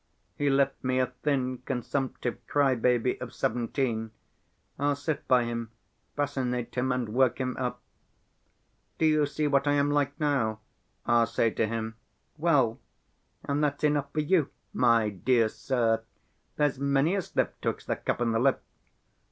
He left me a thin, consumptive cry‐baby of seventeen. I'll sit by him, fascinate him and work him up. 'Do you see what I am like now?' I'll say to him; 'well, and that's enough for you, my dear sir, there's many a slip twixt the cup and the lip!